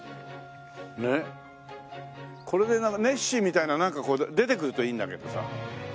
これでネッシーみたいななんか出てくるといいんだけどさ。